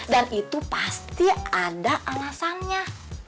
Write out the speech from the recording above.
dan itu pasti ada alasannya